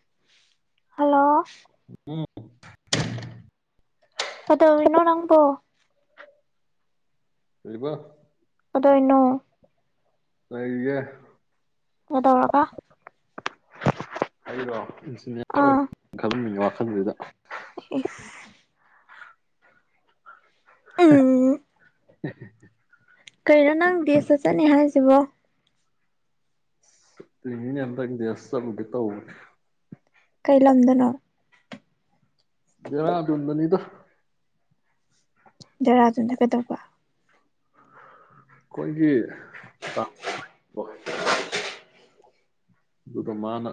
ꯎ ꯍꯜꯂꯣ ꯎꯝ ꯄꯠꯇ ꯏꯅꯣ ꯂꯪ ꯄꯣ ꯂꯩꯔꯤꯕ ꯗꯣꯏꯅ ꯂꯩꯒ ꯑꯦ ꯇꯧꯔꯒ ꯍꯥꯏꯗꯣ ꯏꯟꯖꯤꯅꯤꯌꯥꯔ ꯑꯣꯏ ꯈꯪꯅꯤꯡꯕ ꯋꯥ ꯈꯪ꯭ꯦꯗ ꯑꯦ [inaudible] ꯀꯩꯩꯅ ꯅꯪ ꯄꯁ ꯆꯅꯤ ꯍꯥꯏꯥꯏꯁꯤꯕꯣ ꯏ ꯏꯗꯤꯁ ꯀ ꯇ ꯀꯩꯂꯝꯗꯅꯣ ꯇꯗꯅꯤꯗ ꯖꯦꯔꯥꯗꯨꯅ ꯀꯩꯗꯧꯕ ꯀꯖ ꯑꯗꯨꯗ ꯃꯥꯅ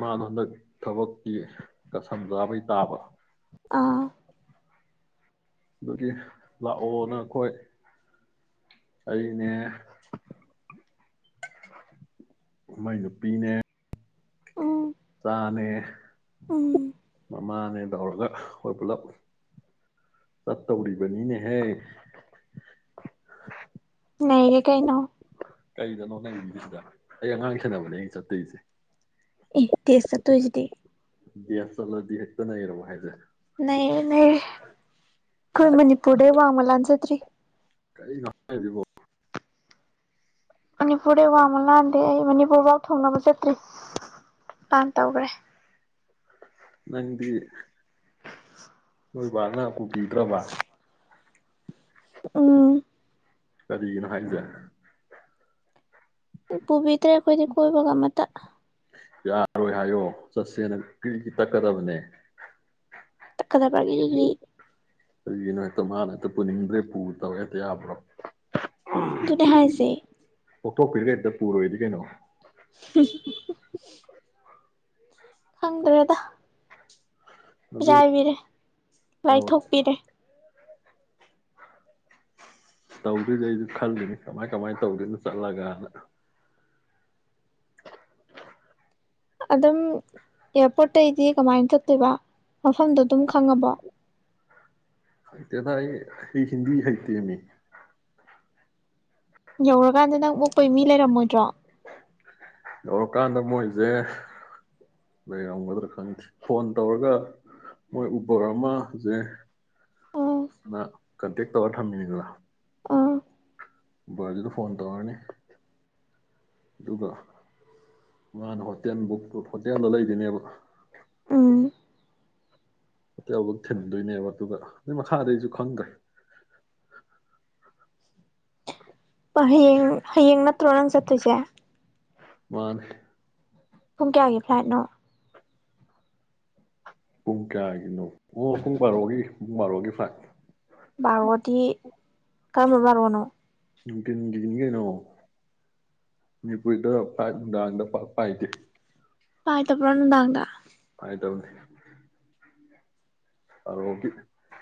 ꯃꯥꯅ ꯍꯟꯗꯛ ꯊꯕꯛꯀꯤꯒ ꯁꯝꯖꯥꯕꯩ ꯇꯥꯕ ꯑꯥ ꯑꯗꯨꯒꯤ ꯂꯥꯛꯑꯣꯅ ꯑꯩꯈꯣꯏ ꯑꯩꯅꯦ ꯃꯥꯏ ꯅꯨꯄꯤꯅꯦ ꯎꯝ ꯏꯆꯥꯅꯦ ꯎꯝ ꯃꯃꯥꯅꯦ ꯇꯧꯔꯒ ꯑꯩꯈꯣꯏ ꯄꯨꯂꯞ ꯆꯠꯇꯧꯔꯤꯕꯅꯤꯅꯦꯍꯦ ꯅꯌꯦꯦ ꯀꯩꯩꯅꯣ ꯀꯩꯗꯅꯣ ꯅꯪ ꯁꯤꯗ ꯑꯩ ꯑꯉꯥꯡ ꯁꯦꯅꯕꯅꯦ ꯑ ꯆꯠꯇꯣꯏꯁꯦ ꯑꯦ ꯇ ꯆ ꯇꯣꯏꯁꯤꯗ ꯗꯤ ꯑꯁ ꯆꯠꯂꯗꯤ ꯍꯦꯛꯇꯅ ꯏꯔꯕꯣ ꯍꯥꯏꯁꯔꯦ ꯅ ꯅ ꯑꯩꯈꯣꯏ ꯀꯥꯏ ꯃꯅꯤꯄꯨꯔꯗ ꯋꯥ ꯑꯃ ꯂꯥꯟꯖꯗ꯭ꯔꯤ ꯀꯔꯤꯅꯣ ꯍꯥꯏꯁꯤꯕꯣ꯫ ꯃꯅꯤꯄꯨꯔꯗꯩ ꯋꯥꯡꯃ ꯂꯥꯟꯗꯦ ꯑꯩ ꯃꯅꯤꯄꯨꯔꯐꯥꯎ ꯊꯣꯡꯅꯕ ꯆꯠꯇ꯭ꯔꯤ ꯂꯥꯟ ꯇꯧꯈ꯭ꯔꯦ꯫ ꯅꯪꯗꯤ ꯫ [inaudible] ꯍꯣꯏ ꯕꯥꯅ ꯫ ꯍꯩꯗꯔ꯭ꯕꯥꯠ꯫ ꯎꯝ꯫ ꯀꯔꯤꯒꯤꯅꯣ ꯍꯥꯏꯖꯦ꯫ ꯄꯨꯕꯤꯗ꯭ꯔꯦ ꯑꯩꯈꯣꯏꯗꯤ ꯀꯣꯏꯕꯒ ꯑꯃꯇ꯫ ꯌꯥꯔꯣꯏ ꯍꯥꯏꯌꯣ ꯆꯠꯁꯦꯅ ꯀ꯭ꯔꯤ-ꯀ꯭ꯔꯤ ꯇꯛꯀꯗꯕꯅꯦ꯫ ꯇꯛꯀꯗ ꯄꯒꯦꯅꯤꯒ꯭ꯔꯤ [inaudible] ꯀꯩꯒꯤꯅꯣ ꯍꯦꯛꯇ ꯃꯥꯅ ꯍꯦꯛꯇ ꯄꯨꯅꯤꯡꯗ꯭ꯔꯦ ꯄꯨ ꯇꯧ ꯍꯦꯛꯇ ꯌꯥꯕ꯭ꯔꯣ꯫ ꯑꯗꯨꯅꯦ ꯍꯥꯏ꯫ ꯀꯣꯛꯊꯣꯛꯄꯤꯔꯒ ꯍꯦꯛꯇ ꯄꯨꯔꯣꯏꯗꯤ ꯀꯩꯅꯣ꯫ ꯍꯨꯡ꯫ ꯈꯪꯗ꯭ꯔꯦꯗ꯫ ꯑꯗꯨ ꯃꯤꯔꯥꯏꯕꯤꯔꯦ ꯂꯥꯏꯊꯣꯛꯄꯤꯔꯦ꯫ ꯇꯧꯗꯣꯏꯅꯤ ꯑꯩꯁꯨ ꯈꯜꯂꯤꯅꯤ ꯀꯃꯥꯏ - ꯀꯃꯥꯏꯅ ꯇꯧꯗꯣꯏꯅꯣ ꯆꯠꯂꯒꯅ꯫ ꯑꯗꯨꯝ ꯑꯦꯌꯥꯔꯄꯣꯔꯠꯇꯩꯒꯤꯗꯤ ꯀꯃꯥꯏꯅ ꯆꯠꯇꯣꯏꯕ ꯃꯐꯝꯗꯣ ꯑꯗꯨꯝ ꯈꯪꯉꯕꯣ꯫ ꯀꯪꯗꯦꯗ ꯑꯩ-ꯑꯩ ꯍꯤꯟꯗꯤ ꯍꯩꯇꯦꯃꯤ꯫ ꯌꯧꯔꯀꯥꯟꯗ ꯅꯪ ꯑꯣꯛꯄꯩ ꯃꯤ ꯂꯩꯔꯝꯃꯣꯏꯗ꯭ꯔꯣ꯫ ꯌꯧꯔꯀꯥꯟꯗ ꯃꯣꯏꯁꯦ ꯂꯩꯔꯝꯒꯗ꯭ꯔꯥ ꯈꯪꯗꯦ ꯐꯣꯟ ꯇꯧꯔꯒ ꯃꯣꯏ ꯎꯕꯔ ꯑꯃꯁꯁꯦ ꯑꯥ ꯀꯟꯇꯦꯛ ꯇꯧꯔ ꯊꯝꯃꯤꯅꯤꯗꯅ꯫ ꯑ ꯎꯕꯔꯗꯨꯗ ꯐꯣꯟ ꯇꯧꯔꯅꯤ ꯑꯗꯨꯒ ꯃꯥꯅ ꯍꯣꯇꯦꯜ ꯕꯨꯛ ꯍꯣꯇꯦꯜꯗ ꯂꯩꯗꯣꯏꯅꯦꯕ꯫ ꯎꯝ ꯑꯗꯩꯩ ꯑꯃꯨꯛ ꯊꯤꯟꯗꯣꯏꯅꯦꯕ ꯑꯗꯨꯒ ꯑꯗꯩꯩ ꯃꯈꯥꯗꯩ ꯑꯩꯁꯨ ꯈꯪꯗ꯭ꯔꯦ꯫ ꯍꯌꯦꯡ - ꯍꯌꯦꯡ ꯅꯠꯇ꯭ꯔꯣ ꯅꯪ ꯆꯠꯇꯣꯏꯁꯦ꯫ ꯃꯥꯅꯦ꯫ ꯄꯨꯡ ꯀꯌꯥꯒꯤ ꯐ꯭ꯂꯥꯏꯠꯅꯣ꯫ ꯄꯨꯡ ꯀꯌꯥꯒꯤꯅꯣ꯫ ꯑꯣ ꯄꯨꯡ ꯕꯥꯔꯣꯒꯤ꯫ ꯄꯨꯡ ꯕꯥꯔꯣꯒꯤ ꯐꯥꯏꯠ꯫ ꯕꯥꯔꯣꯗꯤ ꯀꯔꯝꯕ ꯕꯥꯔꯣꯅꯣ ꯫ ꯅꯨꯡꯊꯤꯟꯒꯤꯅꯤ ꯀꯩꯅꯣ ꯃꯅꯤꯄꯨꯔꯗ ꯄꯥꯏ ꯅꯨꯡꯗꯥꯡꯗ ꯄꯛ ꯄꯥꯏꯗꯦ꯫ ꯄꯥꯏꯗꯕꯔꯣ ꯅꯨꯡꯗꯥꯡꯗ꯫ [inaudible] ꯕꯥꯔꯣꯒꯤ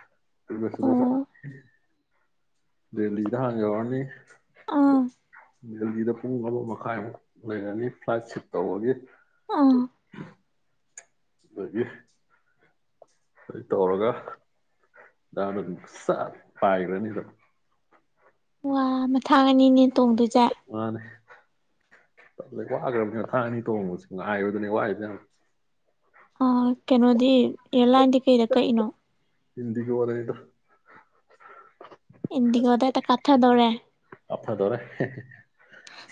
꯫ ꯑꯣ ꯁꯗꯁ [inaudible] ꯗꯦꯜꯂꯤꯗ ꯍꯥꯅ ꯌꯧꯔꯅꯤ꯫ ꯑꯥ꯫ ꯗꯦꯜꯂꯤꯗ ꯄꯨꯡ ꯑꯃ ꯃꯈꯥꯏꯃꯨꯛ ꯂꯩꯔꯅꯤ ꯐ꯭ꯂꯥꯏꯠ ꯁꯤꯠ ꯇꯧꯕꯒꯤ꯫ ꯑꯥ꯫ ꯑꯗꯩꯩꯗꯤ꯫ ꯑꯗꯨ ꯇꯧꯔꯒ ꯅꯥꯟꯅ ꯑꯗꯨꯝ ꯁꯠ ꯄꯥꯏꯒꯔꯅꯤ ꯑꯗꯨꯝ꯫ ꯋꯥ ꯃꯊꯥꯡ ꯑꯅꯤꯅꯦ꯫ ꯇꯣꯡꯗꯣꯏꯖꯦ꯫ ꯋꯥꯈ꯭ꯔꯕꯅꯤ ꯃꯊꯥ ꯑꯅꯤ ꯇꯣꯡꯕꯕꯁꯤ ꯉꯥꯏꯕꯗꯨꯅꯤ ꯋꯥꯏꯁ ꯌꯥꯝ ꯑ ꯀꯩꯅꯣꯗꯤ ꯌꯦꯂꯥꯏꯗꯤ ꯀꯩꯗ ꯀ ꯏꯩꯅꯣ ꯍꯤꯟꯗꯤꯤ ꯐꯅꯩꯅ ꯏꯟꯗꯤ ꯑꯗꯇ ꯀꯊꯗꯧꯔꯦ ꯑꯅ ꯇꯧꯔꯦ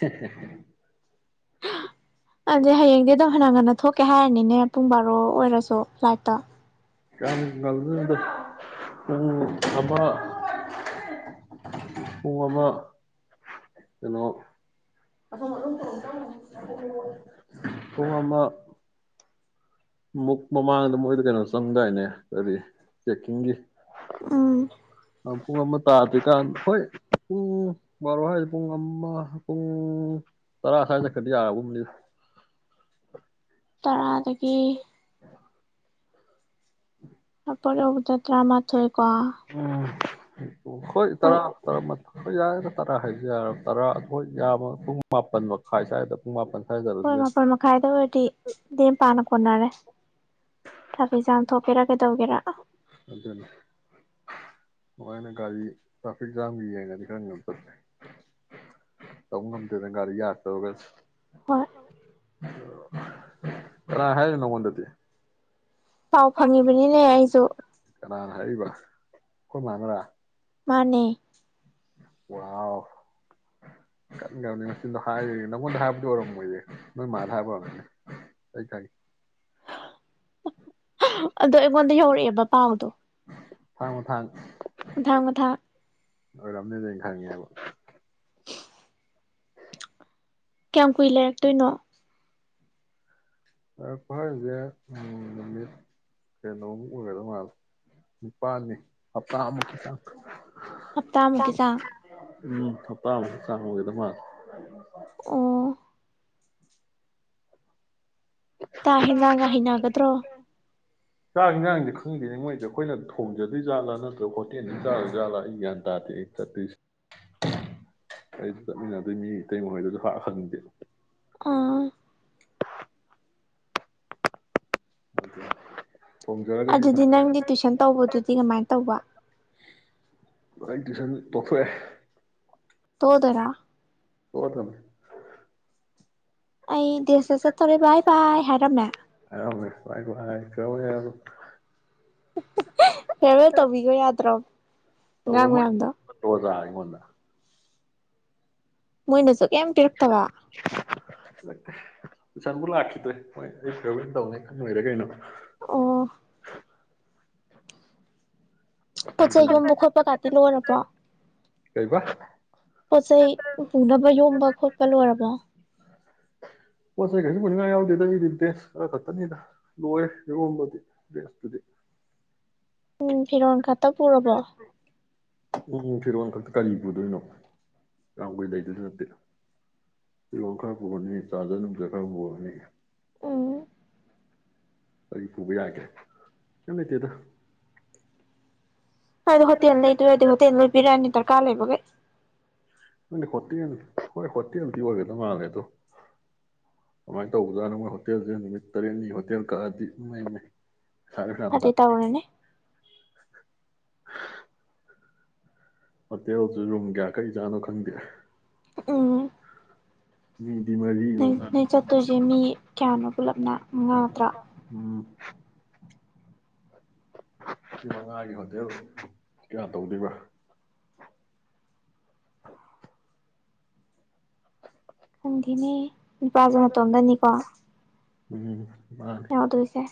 [inaudible] ꯑꯗꯨ ꯍꯌꯦꯡꯗꯤ ꯑꯗꯨꯝ ꯍꯟꯅ ꯉꯟꯅ ꯊꯣꯛꯀꯦ ꯍꯥꯏꯔꯅꯤꯅꯦ ꯄꯨꯡ ꯕꯥꯔꯣ ꯑꯣꯏꯔꯁꯨ ꯐ꯭ꯂꯥꯏꯠꯇ ꯀ ꯅ ꯄ ꯑꯃ ꯄꯨꯡꯉꯃ ꯀꯩꯅꯣ ꯄꯨꯡꯉꯃ ꯃꯨꯛ ꯃꯃꯥꯡꯗ ꯃꯣꯏꯗ ꯀꯩꯅꯣ ꯆꯪꯗꯥꯏꯅꯦ ꯀꯔꯤ ꯆꯦꯛꯀꯤꯡꯒꯤ ꯎꯝ ꯑ ꯄꯨꯡ ꯃ ꯇꯥꯗ꯭ꯔꯤꯀꯥꯟ ꯍꯣꯏ ꯄꯨꯡ ꯕꯥꯔꯣ ꯍꯥꯏꯁꯤ ꯄꯨꯡ ꯑꯃ ꯄꯨꯡ ꯇꯔꯥ ꯁ꯭ꯋꯥꯏꯗ ꯆꯠꯈ꯭ꯔꯗꯤ ꯌꯥꯒꯨꯝꯅꯤ ꯇꯔꯥꯗꯒꯤ ꯎꯝ ꯔ ꯑꯣ ꯇ ꯇ꯭ꯔꯥ ꯃꯥꯊꯣꯏ ꯎꯝ ꯍ ꯎ ꯍꯣꯏ ꯇꯔꯥ ꯇꯔꯥ ꯑꯩꯈꯣꯏ ꯌꯥꯗ ꯇꯔꯥ ꯍꯥꯏꯁꯤ ꯌꯥꯔꯕ ꯇꯔꯥ ꯑꯩꯈꯣꯏ ꯌꯥꯝꯕ ꯄꯨꯡ ꯃꯥꯄꯟ ꯃꯈꯥꯏ ꯁ꯭ꯋꯥꯏꯗ ꯄꯨꯡ ꯃꯥꯄꯟ ꯁ꯭ꯋꯥꯏꯗ ꯍꯣꯏ ꯆꯠꯂꯁꯨ ꯌꯥꯏ ꯃꯥꯄꯜ ꯃꯈꯥꯏꯗ ꯑꯣꯏꯔꯗꯤ ꯗꯦꯝ ꯄꯥꯅ ꯀꯣꯟꯅꯔꯦ ꯊꯐ ꯆꯥꯡ ꯊꯣꯛꯀꯦꯔꯥ ꯀꯩꯗꯧꯒꯦꯔ ꯑꯗꯨꯅꯤ ꯃꯥꯏꯅ ꯒꯥꯔꯤ ꯇ꯭ꯔꯥꯐꯤꯛ ꯖꯥꯝꯒꯤ ꯌꯦꯡꯉꯗꯤ ꯈꯔ ꯌꯥꯝ ꯆꯠꯂꯦ ꯇꯧꯕ ꯉꯝꯗꯦꯗꯅ ꯒꯥꯔꯤ ꯌꯥꯛꯇꯧꯔꯒ ꯍꯣꯏ [inaudible] ꯑ ꯍꯥꯏ ꯅꯉꯗꯗꯤ ꯄꯥꯎ ꯐꯪꯉꯤꯕꯅꯤꯅꯦ ꯑꯩꯁꯨ ꯀꯅꯥꯅ ꯍꯥꯏꯔꯛꯏꯕ ꯑꯩꯈꯣꯏ ꯃꯥꯅꯔꯥ ꯃꯥꯅꯦ ꯋꯥꯎ ꯀꯟꯈ꯭ꯔꯕꯅꯤ ꯃꯆꯤꯟꯗꯣ ꯍꯥꯏꯔꯤ ꯅꯪꯉꯣꯟꯗ ꯍꯥꯏꯕꯗꯤ ꯑꯣꯏꯔꯝꯃꯣꯏꯌ‌ꯦ ꯅꯣꯏ ꯃꯥꯗ ꯍꯥꯏꯕ ꯑꯣꯏꯔꯝꯅꯤꯅꯦ ꯑꯩ ꯈꯪꯉꯦ ꯑꯗꯣ ꯑꯩꯉꯣꯟꯗ ꯌꯧꯔꯛꯑꯦꯕ ꯄꯥꯎꯗꯣ ꯃꯊꯥꯡ ꯃꯊꯥꯡ ꯃꯊꯥꯡ ꯃꯊꯥꯡ ꯊꯪꯉ‌ꯦꯕ ꯀꯌꯥꯝ ꯀꯨꯏ ꯂꯩꯔꯛꯇꯣꯏꯅꯣ ꯐꯍꯔꯁꯦ ꯅꯨꯃꯤꯠ ꯀꯩꯅꯣꯃꯨꯛ ꯑꯣꯏꯒꯗꯧ ꯃꯥꯜꯂꯦ ꯅꯤꯄꯥꯜꯅꯤ ꯍꯞꯇꯥ ꯑꯃꯨꯛꯀꯤ ꯆꯥꯡ ꯍꯞꯇꯥ ꯍꯞꯇꯥꯃꯨꯛꯀꯤ ꯆꯥꯡ ꯎꯝ ꯍꯝꯇꯥ ꯃꯨꯛ ꯆꯥꯡ ꯑꯣꯏꯒꯗꯕ ꯃꯥꯜꯂ‌ꯦ ꯑꯣ ꯇꯥ ꯍꯦꯟꯖꯥꯡꯒ ꯍꯩꯅꯒꯗ꯭ꯔꯣ ꯆꯥꯛ ꯏꯟꯖꯥꯡꯗꯤ ꯈꯪꯗꯦꯅꯤ ꯃꯣꯏꯗꯤ ꯑꯩꯈꯣꯏꯅ ꯊꯣꯡꯖꯗꯣꯏ ꯖꯠꯂꯥ ꯅꯠꯇ꯭ꯔꯒ ꯍꯣꯇꯦꯜꯗ ꯆꯥꯔꯣꯏ ꯥꯖꯥꯠꯂꯥ ꯑꯩ ꯒ꯭ꯌꯥꯟ ꯇꯥꯗꯦ ꯑꯩ ꯆꯠꯇꯣꯏꯁꯦ ꯑꯩ ꯆꯠꯃꯤꯟꯅꯗꯣꯏ ꯃꯤ ꯑꯇꯩ ꯏꯞꯄꯔ ꯈꯣꯏꯗꯁꯨ ꯍꯥꯔ ꯍꯪꯗꯦ ꯑꯥ [unintelligible] [unintelligible] ꯊꯣꯡꯖꯔꯒꯗꯤ ꯑꯗꯨꯗꯤ ꯐꯖꯔꯦ ꯅꯪꯗꯤ ꯇꯨꯋꯏꯁꯟ ꯇꯧꯕꯗꯨꯗꯤ ꯀꯃꯥꯏꯅ ꯇꯧꯕ ꯁ ꯄꯣꯛꯈꯣꯏꯦ ꯇꯣꯑꯗ‌ꯣꯏꯔꯥ ꯑꯣꯛꯑ ꯊꯝꯃꯦ ꯑꯩ ꯗꯦꯁꯇ ꯆꯠꯇꯧꯔꯦ ꯚꯥꯏ ꯚꯥꯏ ꯍꯥꯏꯔꯝꯃꯦ ꯍꯥꯏꯔꯝꯃꯦ ꯚꯥꯏ [unintelligible] ꯐꯤꯌꯥꯔꯋ‌ꯦꯜ ꯇꯧꯕꯤꯈꯣ ꯌꯥꯗ꯭ꯔꯣ ꯑꯉꯥꯡ ꯇꯧꯔꯝꯃ‌ꯣꯏ ꯃꯌꯥꯝꯗꯣ [unintelligible] ꯑꯣꯟꯅ ꯃꯣꯏ ꯅ ꯆꯛ ꯀꯩꯝ ꯄꯤꯔꯛꯇꯕ ꯂꯛꯇ‌ꯦ ꯇꯨꯏꯁꯟꯕꯨ ꯂꯥꯛꯈꯤꯗ꯭ꯔꯦ ꯃ‌ꯣꯏ ꯑꯩ ꯐꯤꯌꯥꯔꯋ‌ꯦꯜ ꯇꯧꯅꯤ ꯈꯪꯕꯩꯔ ꯀꯩꯅꯣ ꯑꯣ ꯄꯣꯠ ꯆꯩꯩ ꯌꯣꯝꯕ ꯈꯣꯠꯄ ꯀꯥꯇꯤ ꯂꯣꯏꯔꯕꯣ ꯀꯩꯕ ꯄꯣꯠ ꯆꯩꯩ ꯄꯨꯅꯕ ꯌꯣꯝꯕ ꯈꯣꯠꯄ ꯂꯣꯏꯔꯕꯣ ꯄꯣꯠ ꯆꯩ ꯀꯩꯁꯨ ꯄꯨꯅꯤꯡꯉꯥꯏ ꯌꯥꯎꯗꯦꯗ ꯑꯩꯗꯤ ꯗ꯭ꯔꯦꯁ ꯈꯔ ꯈꯛꯇꯅꯤꯗ ꯂꯣꯏꯔꯦ ꯌ‌ꯣꯝꯕꯗꯤ ꯗ꯭ꯔꯦꯁꯇꯨꯗꯤ ꯎꯝ ꯐꯤꯔꯣꯟ ꯈꯛꯇ ꯄꯨꯔꯕꯣ ꯎꯝ ꯐꯤꯔꯣꯜ ꯈꯛꯇ ꯀꯔꯤ ꯄꯨꯗꯣꯏꯅꯣ ꯀꯌꯥꯝ ꯀꯨꯏ ꯂꯩꯗꯣꯏꯁꯨ ꯅꯠꯇꯦ ꯐꯤꯔꯣꯜ ꯈꯔ ꯄꯨꯔꯅꯤ ꯆꯥꯖꯔ ꯅꯨꯡꯖꯔ ꯈꯔ ꯄꯨꯔꯅꯤ ꯎꯝ ꯀꯩ ꯄꯨꯕ ꯌꯥꯒ‌ꯦ ꯀꯩꯝ ꯂꯩꯇꯦꯗ ꯑꯗ ꯍ‌ꯣꯇꯦꯜ ꯂꯩꯗꯣꯏ ꯑ‌ꯣꯏꯗꯤ ꯍꯣꯇ‌ꯣꯜ ꯂ‌ꯣꯏꯅ ꯄꯤꯔꯛꯑꯅꯤ ꯀꯥ ꯂꯩꯕꯒꯩ ꯅꯣꯏꯗꯤ ꯍꯣꯇꯦꯜ ꯍꯣꯏ ꯍꯣꯇꯦꯜꯗꯤ ꯑꯣꯏꯒꯗꯧ ꯃꯥꯜꯂꯦ ꯑꯗꯣ ꯑꯗꯨꯃꯥꯏꯅ ꯇꯧꯕꯖꯥꯅ ꯃꯣꯏ ꯍꯣꯇꯦꯜꯁꯦ ꯅꯨꯃꯤꯠ ꯇꯔꯦꯠꯅꯤ ꯍꯣꯇꯦꯜ ꯀꯛꯑꯗꯤꯉꯩꯅꯤ ꯈꯔ ꯔꯝꯖ ꯑꯗꯩ ꯇꯧꯔꯅꯤ ꯍꯣꯇꯦꯜꯁꯨ ꯔꯨꯝ ꯀꯌꯥ ꯀꯔꯤꯖꯥꯠꯅꯣ ꯈꯪꯗꯦ ꯑꯥ ꯎꯝ ꯅ ꯆ ꯇꯨꯁꯤꯦ ꯃꯤ ꯀꯌꯥꯅꯣ ꯄꯨꯜꯂꯞꯅ ꯎꯝ ꯆꯍꯤ ꯃꯉꯥꯒꯤ ꯍꯣꯇꯦꯜ ꯀꯌꯥ ꯇꯧꯗꯣꯏꯔꯤꯕ ꯈꯪꯗꯤꯅꯦ ꯅꯨꯄꯥꯁꯦ ꯅꯇꯣꯝꯗꯅꯤꯀꯣ ꯎꯝ ꯃꯥꯅꯦ ꯌꯥ ꯇꯁꯦ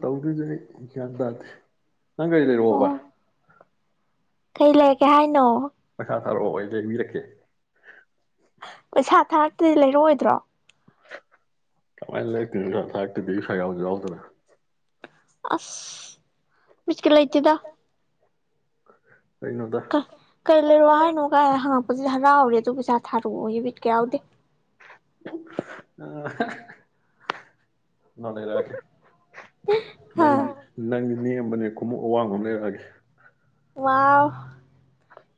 ꯇꯧꯗꯨꯖ ꯌꯥꯌꯥꯗꯗꯗ ꯅꯪ ꯀꯩꯗꯦꯔꯣ ꯍꯣꯕ ꯑꯣ ꯀꯩ ꯂꯩꯔꯒꯦ ꯍꯥꯏꯅꯣ ꯄꯩꯁꯥ ꯊꯥꯔꯛꯑꯣ ꯑꯩ ꯌꯦꯡꯕꯤꯔꯛꯀꯦ ꯄꯩꯁꯥ ꯊꯥꯔꯛꯇꯗꯤ ꯂꯩꯔꯑꯣꯣꯏꯗ꯭ꯔꯣ ꯀꯥꯏ ꯂ ꯊꯁ ꯌꯥꯖꯥꯎꯗ ꯑꯁ ꯃꯁꯀꯤꯜ ꯂꯩꯇꯗ ꯀꯩꯅꯣꯗ ꯀꯂ ꯔꯨꯋꯥꯍꯟꯣꯒ ꯍꯥ ꯍꯧ ꯍꯔꯥꯎꯔꯦ ꯑꯗꯨ ꯄꯩꯁꯥ ꯊꯥꯔꯛꯑꯣ ꯌꯕꯤꯠ ꯀ ꯌꯥꯎꯗꯦ ꯎ ꯅꯅꯦꯔꯀꯦ ꯍꯥ ꯅꯪ ꯅꯪ ꯑꯅꯦꯝꯕꯅꯦ ꯈꯣꯡꯎꯞ ꯑꯋꯥꯡꯕ ꯑꯃ ꯂꯩꯔꯛꯑꯒꯦ ꯋꯥ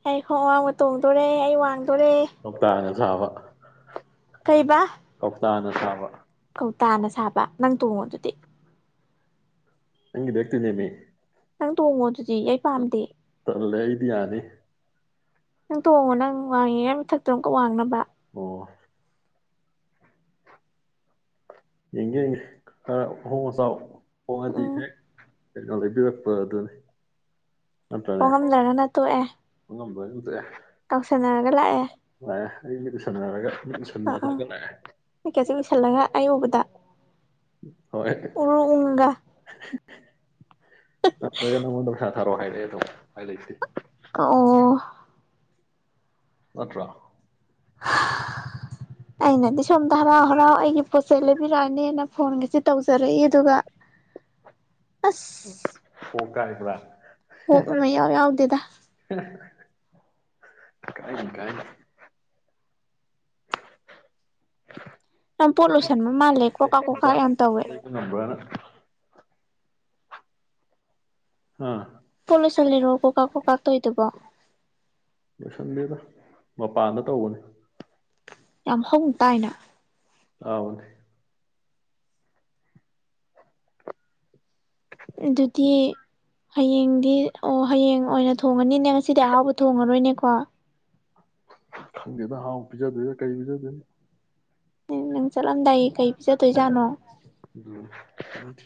ꯑꯩ ꯋꯥꯡꯕ ꯇꯣꯡꯗꯣꯔꯦ ꯑꯩ ꯋꯥ ꯊꯣꯛ ꯇꯥ ꯖꯥꯕ ꯀꯩꯕꯥ ꯆꯅ ꯆꯥꯕ ꯇꯥꯅ ꯁꯥꯕ ꯅꯪ ꯇꯣꯡꯉꯣ ꯑꯗꯨꯗꯤ ꯍꯪꯗꯤ ꯑꯣꯏꯔꯇꯗꯦꯃꯤꯦ ꯪ ꯇꯕꯨ ꯃ ꯖꯤ ꯑꯩ ꯄꯥꯝꯗꯦ ꯗꯤ ꯌꯥꯗꯦ ꯅꯪ ꯇꯣꯡꯉꯣ ꯅꯪ ꯋꯥꯡꯉꯦ ꯃꯊꯛꯇꯣ ꯑꯃꯨꯛꯀ ꯋꯥꯡꯅꯕ ꯑꯣ ꯌꯦꯦ ꯑ ꯍꯁꯥꯎ ꯄꯗꯤ ꯎꯝ ꯀꯀꯥ ꯂꯩꯕꯤꯔꯛꯄ ꯑꯗꯨꯅꯤ ꯅꯠꯇ꯭ꯔꯅꯦ ꯍꯣꯡꯉꯝꯗꯅꯅ ꯇꯣꯛꯑꯦ ꯑꯗꯨꯗ ꯀꯥꯎꯁꯟꯅꯔꯒ ꯂꯥꯛꯑꯦ ꯑꯦ ꯑꯩ ꯃꯤꯗꯨ ꯁꯝꯅꯔꯒ ꯑꯥ ꯑꯥ ꯄꯤꯀꯦꯠꯁꯦ ꯎꯏꯁꯜꯂꯒ ꯑꯩ ꯎꯕꯗ ꯍꯣꯏ ꯎꯔꯨ ꯎꯉꯒ ꯑꯅꯗ ꯈ ꯁꯥꯔꯣ ꯍꯥꯏꯔꯛꯑꯦ ꯑꯗꯨꯝ ꯍꯥꯏꯔꯛꯏꯁꯦ ꯑꯣ ꯅꯠꯇ꯭ꯔꯥ ꯑꯩꯅꯗꯤ ꯁꯣꯝꯗ ꯍꯔꯥꯎ ꯍꯔꯥꯎ ꯑꯩꯒꯤ ꯄꯣꯠꯆꯩ ꯂꯩꯕꯤꯔꯛꯑꯅꯤꯅ ꯐꯣꯟꯒꯁꯦ ꯇꯧꯖꯔꯛꯏ ꯑꯗꯨꯒ ꯑꯁ ꯑꯣ ꯀ ꯍꯥꯏꯗ ꯄꯣ ꯃꯃꯩ ꯌꯥꯎ ꯌꯥꯎꯗꯦꯗ ꯀꯥꯏ ꯀꯥꯏ [inaudible] ꯌꯥꯝ ꯄꯣꯂꯨꯁꯟꯕ ꯃꯥꯜꯂꯦ ꯀꯣꯀꯥ ꯀꯣꯀꯥ ꯌꯥꯝ ꯇꯧꯋꯦ ꯂꯩꯕ ꯉꯝꯕ꯭ꯔꯅ ꯍꯥꯥ ꯄꯣꯂꯣꯁ ꯂꯩꯔꯣ ꯀꯀꯥ ꯀꯀꯥ ꯇꯣꯏꯗꯕ ꯂꯣꯏꯁꯟꯗꯦꯗ ꯃꯄꯥꯟꯗ ꯇꯧꯕꯅꯤ ꯌꯥꯝ ꯍꯣꯡ ꯇꯥꯏꯅ ꯍ ꯑꯗꯨꯗꯤ ꯍꯌꯦꯡꯗꯤ ꯑꯣ ꯍꯌꯦꯡ ꯑꯣꯏꯅ ꯊꯣꯡꯉꯅꯤꯅꯦ ꯉꯁꯤꯗꯤ ꯑꯍꯥꯎꯕ ꯊꯣꯡꯉꯔꯣꯏꯅꯦꯀꯣ ꯈꯪꯗꯦꯗ ꯍꯥꯎ ꯄꯤꯖꯗꯦꯗ ꯀꯩ ꯄꯤꯖꯗꯣꯏꯅꯣ ꯎꯝ ꯆꯠꯂꯝꯗꯥꯏ ꯀꯩ ꯄꯤꯖꯗꯣꯏꯖꯥꯠꯅꯣ ꯑꯗꯨ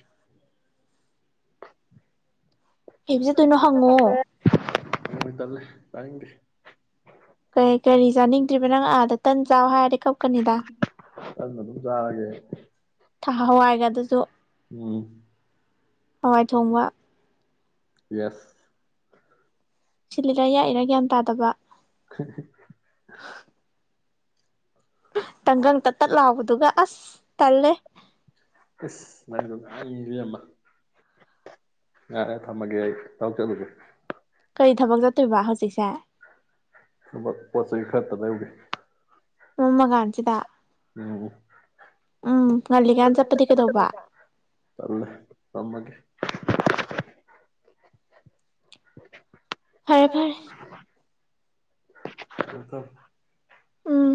ꯍꯕꯁꯦ ꯇꯣꯏꯅꯣ ꯍꯪꯉꯣ ꯍ ꯇꯂꯦ ꯇꯥꯏꯗꯤ ꯀ ꯀꯔꯤ ꯆꯥꯅꯤꯡꯗ꯭ꯔꯤꯕ ꯅꯪ ꯑꯥꯗ ꯆꯥꯎ ꯍꯥꯏꯔꯗꯤ ꯀꯞꯀꯅꯤꯗ ꯆꯅ ꯊꯝ ꯆꯥꯒꯦ ꯊ ꯍꯋꯥꯏꯒ ꯑꯗꯨꯁꯨ ꯎꯝ ꯃꯃꯥꯏ ꯊꯣꯡꯕ ꯌꯦꯁ ꯁꯤꯜꯂꯔꯥ ꯌꯥꯏꯔꯥ ꯒ꯭ꯌꯥꯟ ꯇꯥꯗꯕ ꯇꯪꯒꯪ ꯇ ꯇꯠ ꯂꯥꯎꯕꯗꯨꯒ ꯑꯁ ꯇꯜꯂꯦ ꯏꯁꯁ ꯁꯨꯃꯥꯏꯅꯗ ꯉꯃ ꯉꯔꯦ ꯊꯝꯃꯒꯦ ꯑꯩ ꯇꯥꯎꯆꯂꯨꯒꯦ ꯀꯔꯤ ꯊꯕꯛ ꯆꯠꯇꯣꯏꯔꯤꯕ ꯍꯥ ꯍꯧꯖꯤꯛꯁ ꯆꯥꯛ ꯁ ꯐꯔꯠꯇ ꯂꯩꯎꯒꯦ ꯃꯃ ꯀꯥꯟꯁꯤꯗ ꯑꯣ ꯉꯜꯂꯤꯀꯥꯟ ꯆꯠꯄꯗꯤ ꯀꯩꯗꯧꯕ ꯅꯒꯦ ꯐꯔꯦ ꯍꯔ ꯐꯔꯦ ꯑ ꯇꯣ ꯎꯝ